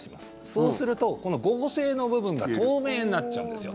そうすると、合成の部分が透明になっちゃうんですよ。